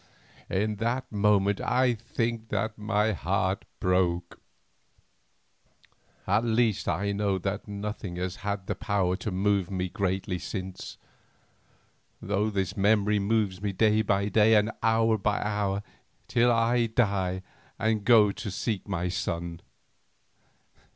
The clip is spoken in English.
In that moment I think that my heart broke—at least I know that nothing has had the power to move me greatly since, though this memory moves me day by day and hour by hour, till I die and go to seek my son.